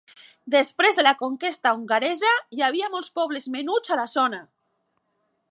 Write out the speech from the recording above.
Després de la conquesta hongaresa, hi havia molts pobles petits a la zona.